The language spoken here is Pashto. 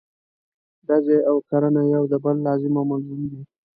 ډزې او کرنه یو د بل لازم او ملزوم دي.